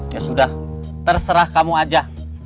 ya sudah terserah kamu aja